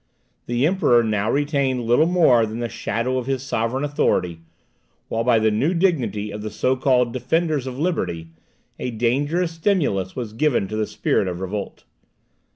The Emperor now retained little more than the shadow of his sovereign authority; while by the new dignity of the so called defenders of liberty, a dangerous stimulus was given to the spirit of revolt.